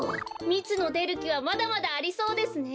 みつのでるきはまだまだありそうですね。